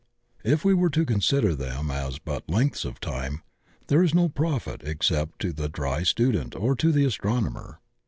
If we are to consider them as but lengths of time, there is no profit except to the dry student or to the astronomer.